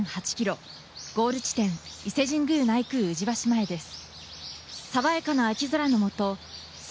ゴール地点、伊勢神宮内宮宇治橋前です。